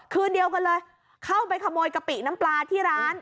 คืนเดียวกันเลยเข้าไปขโมยกะปิน้ำปลาที่ร้าน